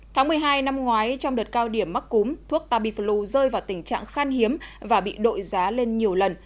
tháng một mươi hai năm ngoái trong đợt cao điểm mắc cúm thuốc tamiflu rơi vào tình trạng khan hiếm và bị đội giá lên nhiều lần